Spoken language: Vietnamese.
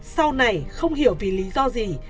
sau này không hiểu vì lý do gì